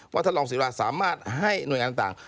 ท่านรองศิราสามารถให้หน่วยงานต่าง